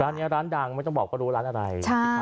ร้านนี้ร้านดังไม่ต้องบอกว่ารู้ร้านอะไร